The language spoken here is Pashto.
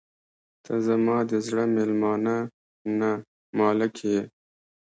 • ته زما د زړه میلمانه نه، مالک یې.